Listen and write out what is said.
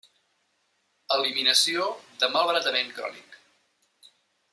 Eliminació de malbaratament crònic: